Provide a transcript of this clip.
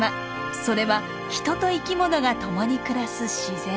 それは人と生き物がともに暮らす自然。